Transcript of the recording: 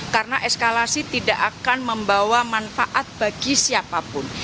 karena eskalasi tidak akan membawa manfaat bagi siapapun